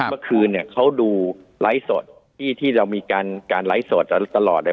เมื่อคืนเนี่ยเขาดูไลฟ์สดที่ที่เรามีการไลฟ์สดตลอดเนี่ย